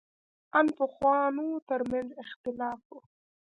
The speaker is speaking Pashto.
ان پخوانو تر منځ اختلاف و.